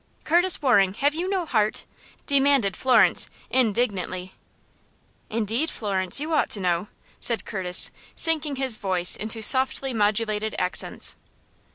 "Curtis Waring, have you no heart?" demanded Florence, indignantly. "Indeed, Florence, you ought to know," said Curtis, sinking his voice into softly modulated accents.